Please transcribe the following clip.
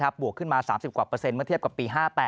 บวกขึ้นมา๓๐กว่าเปอร์เซ็นเมื่อเทียบกับปี๕๘